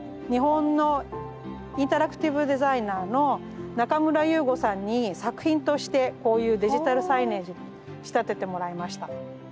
日本のインタラクティブデザイナーの中村勇吾さんに作品としてこういうデジタルサイネージに仕立ててもらいました。